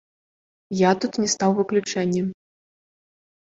Я тут не стаў выключэннем.